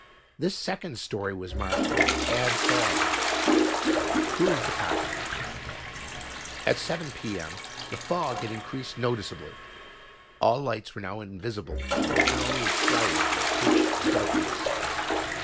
This second story was marked "add fog." Here is the copy: "At 7 P.M. the fog had increased noticeably. All lights were now invisible and the town was shrouded in pitch darkness.